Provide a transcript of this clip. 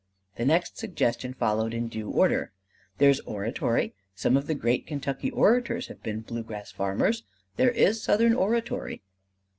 The next suggestion followed in due order. "There's Oratory; some of the great Kentucky orators have been bluegrass farmers. There is Southern Oratory."